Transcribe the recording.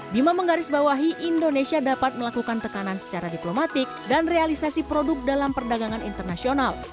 bima menggarisbawahi indonesia dapat melakukan tekanan secara diplomatik dan realisasi produk dalam perdagangan internasional